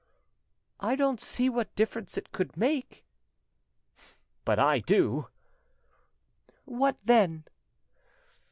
"I don't see what difference it could make." "But I do." "What then?"